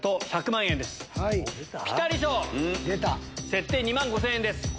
設定２万５０００円です。